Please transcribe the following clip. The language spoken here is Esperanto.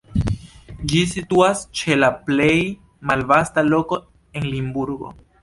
Ĝi situas ĉe la plej malvasta loko en Limburgo.